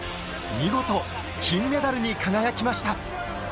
見事、金メダルに輝きました。